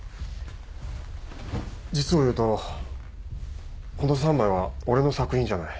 実を言うとこの３枚は俺の作品じゃない。